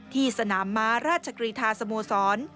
ที่สนามม้าราชกรีธาสโมสร